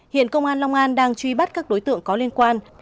hiện công an long an đang truy bắt các đối tượng có liên quan